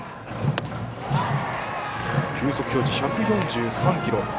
球速表示、１４３キロ。